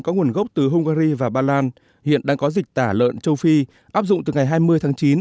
có nguồn gốc từ hungary và ba lan hiện đang có dịch tả lợn châu phi áp dụng từ ngày hai mươi tháng chín